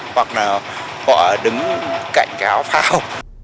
hoặc là họ đứng cạnh cái áo phao